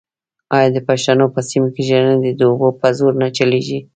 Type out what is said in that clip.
آیا د پښتنو په سیمو کې ژرندې د اوبو په زور نه چلېږي؟